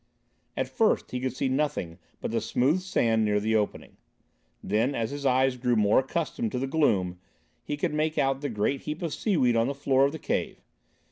At first he could see nothing but the smooth sand near the opening; then, as his eyes grew more accustomed to the gloom, he could make out the great heap of seaweed on the floor of the cave.